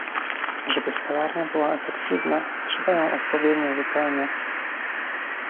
Żeby spalarnia była efektywna, trzeba ją odpowiednio wypełniać